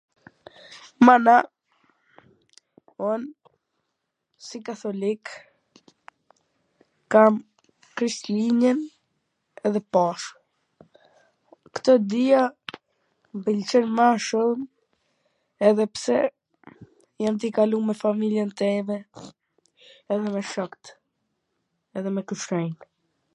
Mana, un si katholik kam Krishlin-jen edhe Pashkt, kto dija m pwlqen ma shum edhe pse jam tu i kalu me familjen teme edhe me shokt edhe me kushrinjt